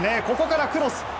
ここからクロス。